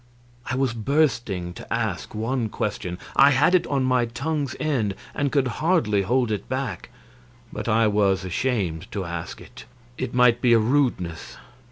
I was bursting to ask one question I had it on my tongue's end and could hardly hold it back but I was ashamed to ask it; it might be a rudeness.